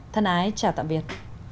thân ái chào tạm biệt